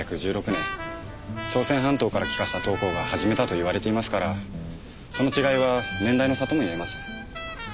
朝鮮半島から帰化した陶工が始めたといわれていますからその違いは年代の差ともいえます。